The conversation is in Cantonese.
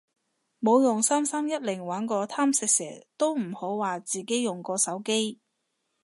冇用三三一零玩過貪食蛇都唔好話自己用過手機